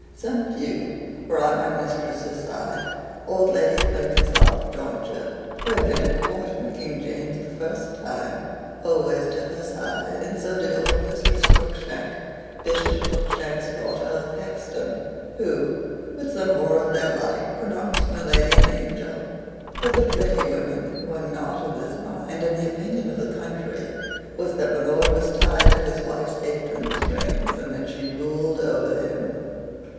Some few were of my mistress's side. Old Lady Blenkinsop Jointure, who had been at court in King James the First's time, always took her side; and so did old Mistress Crookshank, Bishop Crookshank's daughter, of Hexton, who, with some more of their like, pronounced my lady an angel: but the pretty women were not of this mind; and the opinion of the country was that my lord was tied to his wife's apron strings, and that she ruled over him.